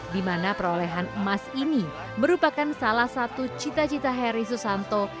di mana perolehan emas ini merupakan salah satu cita cita harry susanto